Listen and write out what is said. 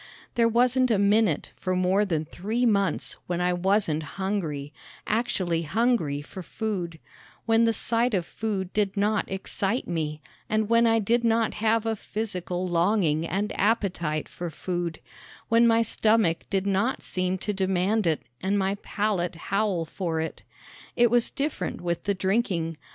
There wasn't a minute for more than three months when I wasn't hungry, actually hungry for food; when the sight of food did not excite me and when I did not have a physical longing and appetite for food; when my stomach did not seem to demand it and my palate howl for it. It was different with the drinking.